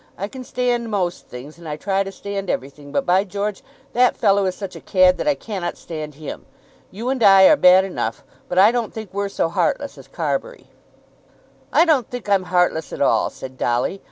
"I can stand most things, and I try to stand everything; but, by George, that fellow is such a cad that I cannot stand him. You and I are bad enough, but I don't think we're so heartless as Carbury." "I don't think I'm heartless at all," said Dolly.